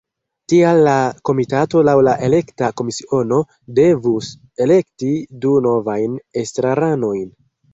Tial la komitato laŭ la elekta komisiono devus elekti du novajn estraranojn.